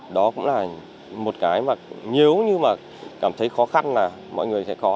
đó cũng là một cái mà nếu như mà cảm thấy khó khăn là mọi người sẽ khó